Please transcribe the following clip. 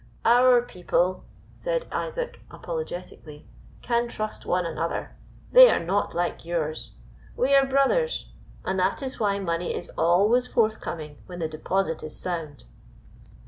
"Our people," said Isaac apologetically, "can trust one another they are not like yours. We are brothers, and that is why money is always forthcoming when the deposit is sound."